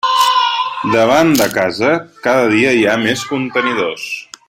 Davant de casa cada dia hi ha més contenidors.